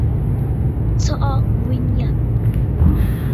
Tsɔʼɔ ŋgwen yâ.